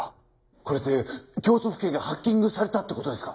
これって京都府警がハッキングされたって事ですか？